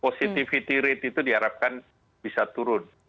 positivity rate itu diharapkan bisa turun